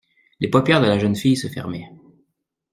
Les paupières de la jeune fille se fermaient.